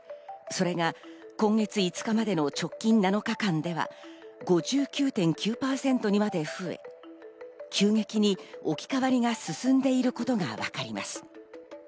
それが今月５日までの直近７日間では５９．９％にまで増え、急激に置き換わりが進んでいることがわかります。